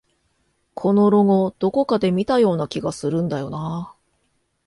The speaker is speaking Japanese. このロゴ、どこかで見たような気がするんだよなあ